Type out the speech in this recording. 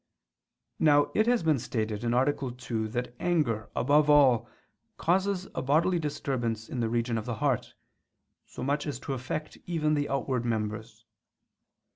Now it has been stated (A. 2) that anger, above all, causes a bodily disturbance in the region of the heart, so much as to effect even the outward members.